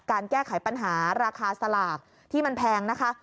การแก้ไขปัญหาราคาสลากที่มันแพงนะคะ